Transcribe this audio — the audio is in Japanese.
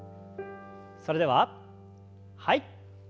それでははい。